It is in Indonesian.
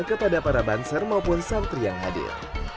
kepada para banser maupun santri yang hadir